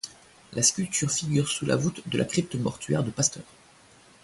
La sculpture figure sous la voûte de la crypte mortuaire de Pasteur.